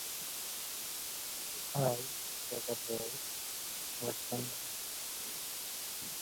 महिला की आंखें मोहक हैं तो ढंकना पड़ेगा!